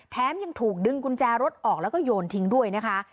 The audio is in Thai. ยังถูกดึงกุญแจรถออกแล้วก็โยนทิ้งด้วยนะคะ